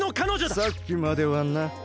さっきまではな。